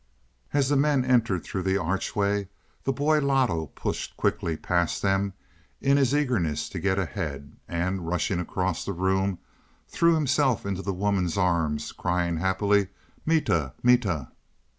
As the men entered through the archway, the boy Loto pushed quickly past them in his eagerness to get ahead, and, rushing across the room, threw himself into the woman's arms crying happily, "_Mita, mita.